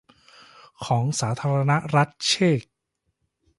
ของสาธารณรัฐเชก